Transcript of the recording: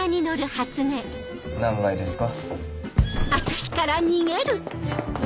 何階ですか？